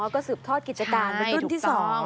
อ๋อก็สืบทอดกิจการไปต้นที่สอง